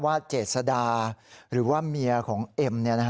เจษดาหรือว่าเมียของเอ็ม